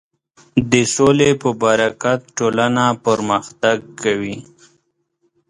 د سولې په برکت ټولنه پرمختګ کوي.